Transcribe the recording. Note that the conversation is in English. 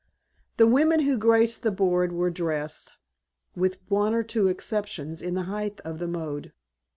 The women who graced the board were dressed, with one or two exceptions, in the height of the mode.